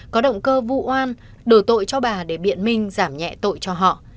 có động cơ vụ oan đổi tội cho bà để biện minh giảm nhẹ tội cho họ